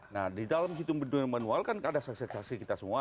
nah di dalam hitung hitungan manual kan ada saksi saksi kita semua